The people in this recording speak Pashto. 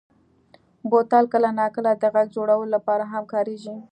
بوتل کله ناکله د غږ جوړولو لپاره هم کارېږي.